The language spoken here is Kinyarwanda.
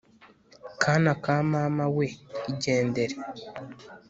Kana ka mama we igendere